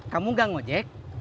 kamu gang ojek